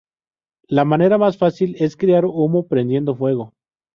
La manera más fácil es crear humo prendiendo fuego.